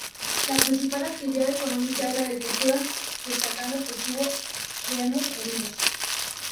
La principal actividad económica es la agricultura, destacando el cultivo de avellanos y olivos.